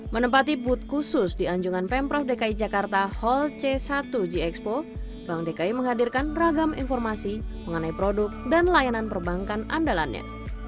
menempati booth khusus di anjungan pemprov dki jakarta hall c satu g expo bank dki menghadirkan ragam informasi mengenai produk dan layanan perbankan andalannya